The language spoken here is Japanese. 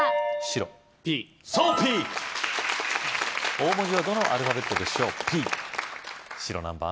大文字のどのアルファベットでしょうＰ白何番？